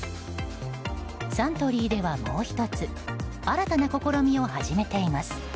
サントリーではもう１つ新たな試みを始めています。